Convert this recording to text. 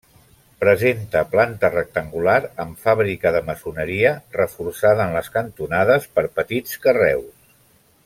Presenta planta rectangular amb fàbrica de maçoneria, reforçada en les cantonades per petits carreus.